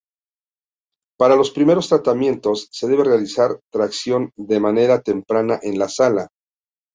Para los primeros tratamientos, se debe realizar tracción de manera temprana en la sala.